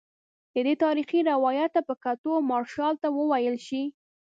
دې تاریخي روایت ته په کتو مارشال ته وویل شي.